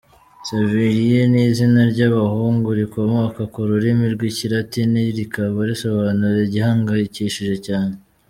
Severien ni izina ry’abahungu rikomoka ku rurimi rw’Ikilatini rikaba risobanura “Igihangayikishije cyane”.